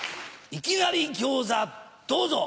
いきなり餃子どうぞ！